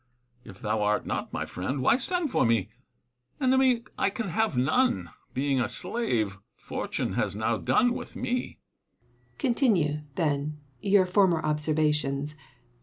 If thou art not my friend, why send for me % Enemy I can have none : being a slave, Fortune has now done with me. Seneca. Continue, then, your former observations.